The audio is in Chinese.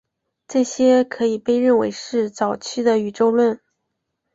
这些可以被认为是早期的宇宙论。